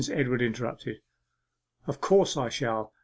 Edward interrupted. 'Of course I shall!